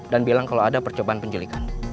dan bilang kalau ada percobaan penjelikan